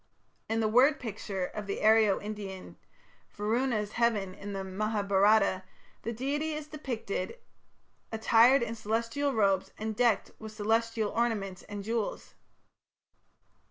In the word picture of the Aryo Indian Varuna's heaven in the Mahabharata the deity is depicted "attired in celestial robes and decked with celestial ornaments and jewels".